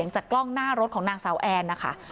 จากกล้องหน้ารถของนางสาวแอนนะคะ